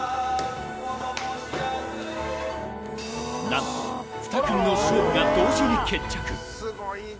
なんと２組の勝利が同時に決着。